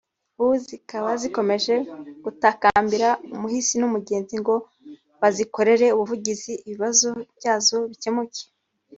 ubu zikaba zikomeje gutakambira umuhisi n’umugenzi ngo bazikorere ubuvugizi ibibazo byazo bikemuke